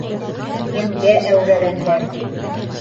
Емгә әүрәгәндәр!